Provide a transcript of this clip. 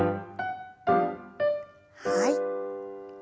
はい。